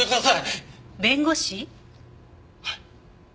はい。